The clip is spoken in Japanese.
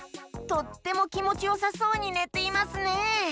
とってもきもちよさそうにねていますね！